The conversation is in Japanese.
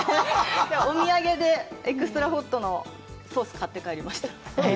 お土産でエクストラホットのソースを買って帰りました。